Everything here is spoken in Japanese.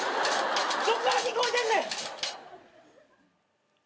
どっから聞こえてんねん？